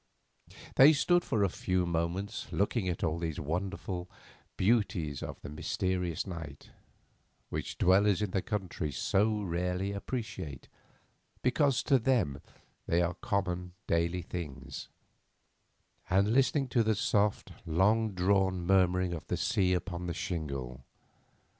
They stood for a few moments looking at all these wonderful beauties of the mysterious night—which dwellers in the country so rarely appreciate, because to them they are common, daily things—and listening to the soft, long drawn murmuring of the sea upon the shingle.